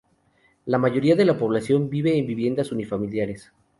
La mayoría de la población vive en viviendas unifamiliares.